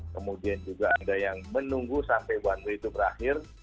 kemudian juga ada yang menunggu sampai one way itu berakhir